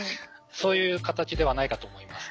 そういう形ではないかと思います。